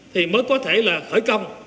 thì mới có thể là khởi công